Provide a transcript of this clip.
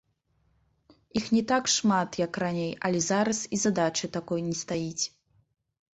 Іх не так шмат, як раней, але зараз і задачы такой не стаіць.